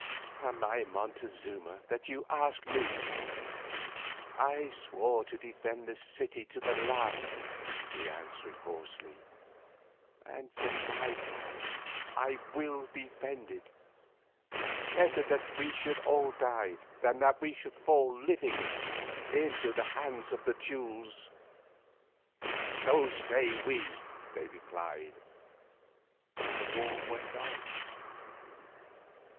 "Am I Montezuma, that you ask me? I swore to defend this city to the last," he answered hoarsely, "and, for my part, I will defend it. Better that we should all die, than that we should fall living into the hands of the Teules." "So say we," they replied, and the war went on.